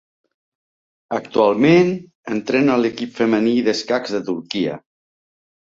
Actualment entrena l'equip femení d'escacs de Turquia.